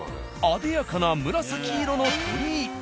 あでやかな紫色の鳥居。